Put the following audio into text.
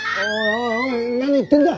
おいおい何言ってんだ？